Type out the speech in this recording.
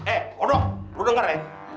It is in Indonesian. eh kodok lo denger ya